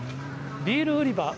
ビール売り場。